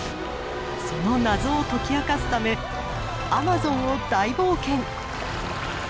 その謎を解き明かすためアマゾンを大冒険。